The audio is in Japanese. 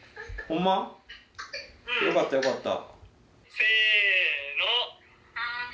うん！よかったよかった。